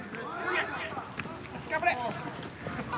頑張れ！